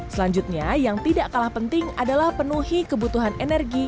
selanjutnya yang tidak kalah penting adalah penuhi kebutuhan energi